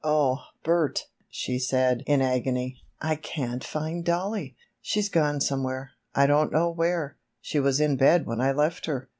"Oh, Bert," she said, in agony. "I can't find Dollie! She's gone somewhere, I don't know where! She was in bed when I left her!"